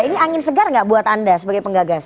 ini angin segar nggak buat anda sebagai penggagas